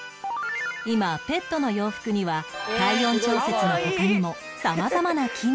今ペットの洋服には体温調節の他にも様々な機能が